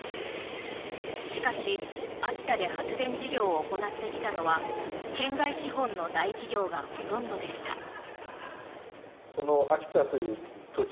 しかし、秋田で発電事業を行ってきたのは県外資本の大企業がほとんどでした。